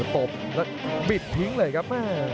ตบแล้วบิดทิ้งเลยครับ